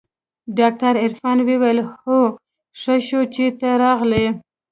ډاکتر عرفان وويل اوهو ښه شو چې ته راغلې.